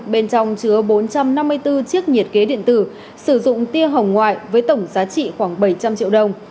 bên trong chứa bốn trăm năm mươi bốn chiếc nhiệt kế điện tử sử dụng tia hồng ngoại với tổng giá trị khoảng bảy trăm linh triệu đồng